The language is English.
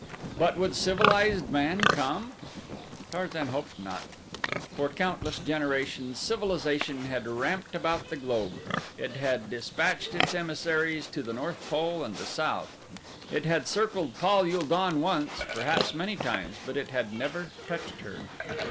But would civilized man come? Tarzan hoped not. For countless generations civilization had ramped about the globe; it had dispatched its emissaries to the North Pole and the South; it had circled Pal ul don once, perhaps many times, but it had never touched her.